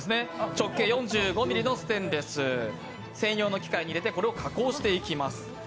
直径４５ｍｍのステンレス、専用の機械に入れてこれを加工していきます。